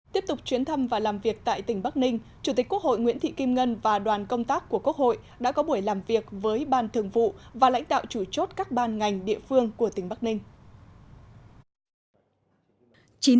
tiếp tục chuyến thăm và làm việc tại tỉnh bắc ninh chủ tịch quốc hội nguyễn thị kim ngân và đoàn công tác của quốc hội đã có buổi làm việc với ban thường vụ và lãnh đạo chủ chốt các ban ngành địa phương của tỉnh bắc ninh